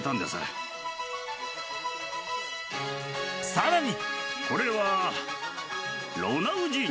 さらに。